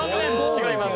違います。